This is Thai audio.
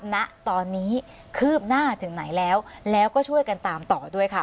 ณตอนนี้คืบหน้าถึงไหนแล้วแล้วก็ช่วยกันตามต่อด้วยค่ะ